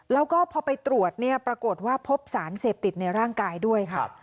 แล้วก็พอไปตรวจเนี่ยปรากฏว่าพบสารเสพติดในร่างกายด้วยค่ะ